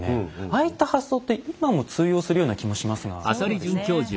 ああいった発想って今も通用するような気もしますがいかがでしょう？